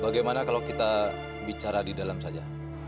bagaimana kalau kita bicara di dalam saja